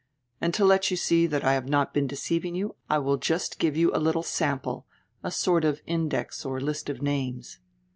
And to let you see that I have not heen deceiving you I will just give you a little sample, a sort of index or list of names."